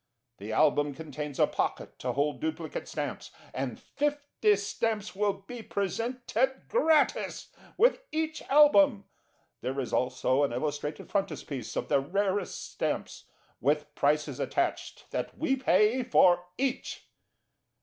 The Album contains a pocket to hold duplicate Stamps, and fifty Stamps will be presented gratis with each Album. There is also an Illustrated Frontispiece of the Rarest Stamps, with prices attached that we pay for each.